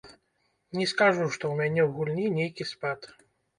Не скажу, што ў мяне ў гульні нейкі спад.